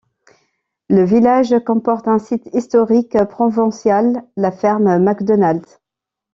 Le village comporte un site historique provincial, la Ferme MacDonald.